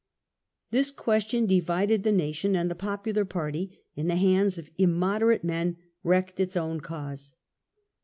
This question divided the nation, and the popular party, in the hands of immoderate men, wrecked its own cause.